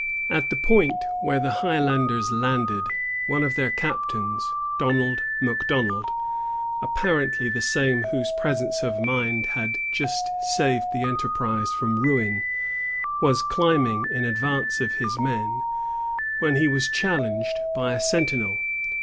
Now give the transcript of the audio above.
At the point where the Highlanders landed, one of their captains, Donald Macdonald, apparently the same whose presence of mind had just saved the enterprise from ruin, was climbing in advance of his men, when he was challenged by a sentinel.